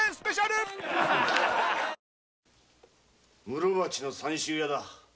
室町の三州屋だ。